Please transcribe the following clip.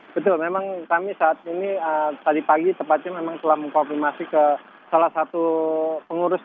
betul memang kami saat ini tadi pagi tepatnya memang telah mengkonfirmasi ke salah satu pengurus